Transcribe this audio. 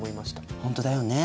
本当だよね。